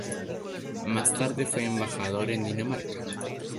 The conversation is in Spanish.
Más tarde fue embajador en Dinamarca.